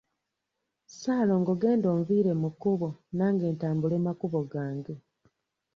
Ssaalongo genda onviire mu kkubo nange ntambule makubo gange.